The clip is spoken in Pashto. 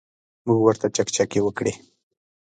موږ ورته چکچکې وکړې.